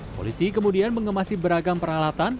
polisi kemudian mengemasi beragam peralatan